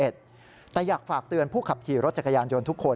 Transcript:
แต่อยากฝากเตือนผู้ขับขี่รถจักรยานยนต์ทุกคน